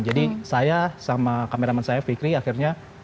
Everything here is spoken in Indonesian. jadi saya sama kameraman saya fikri akhirnya